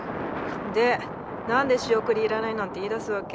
で何で仕送りいらないなんて言いだすわけ？